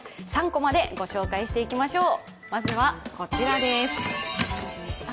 「３コマ」でご紹介していきましょう